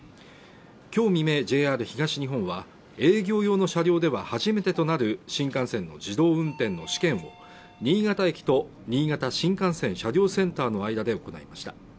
今日未明ＪＲ東日本は営業用の車両では初めてとなる新幹線の自動運転の試験を、新潟駅と新潟新幹線車両センターの間で行いました。